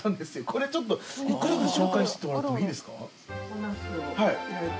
これ１個ずつ紹介してってもらってもいいですか？